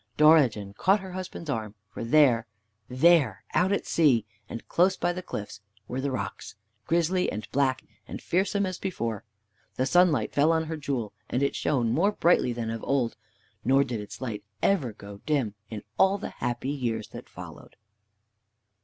Dorigen caught her husband's arm, for there, there, out at sea, and close by the cliffs, were the rocks, grisly and black and fearsome as before. The sunlight fell on her jewel, and it shone more brightly than of old, nor did its light ever grow dim in all the happy years that followed.